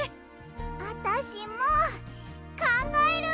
あたしもかんがえる！